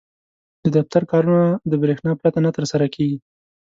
• د دفتر کارونه د برېښنا پرته نه ترسره کېږي.